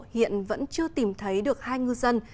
hiện vẫn chưa tìm thấy được hai ngư dân